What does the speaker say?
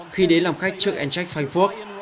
khi đến làm khách trước eintracht frankfurt